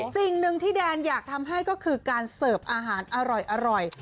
สิ่งหนึ่งที่แดนอยากทำให้ก็คือการเสิร์ฟอาหารอร่อย